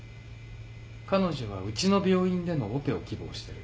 彼女はウチの病院でのオペを希望してる。